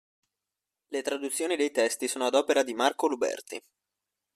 Le traduzioni dei testi sono ad opera di Marco Luberti.